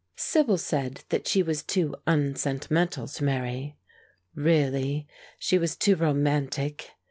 Sibyl said that she was too unsentimental to marry. Really she was too romantic.